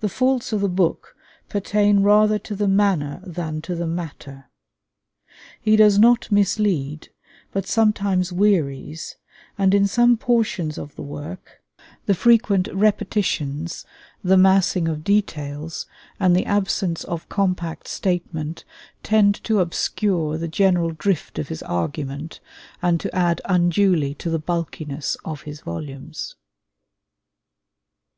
The faults of the book pertain rather to the manner than to the matter. He does not mislead, but sometimes wearies, and in some portions of the work the frequent repetitions, the massing of details, and the absence of compact statement tend to obscure the general drift of his argument and to add unduly to the bulkiness of his volumes.